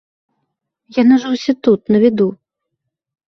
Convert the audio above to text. Яны жа ўсе тут, на віду.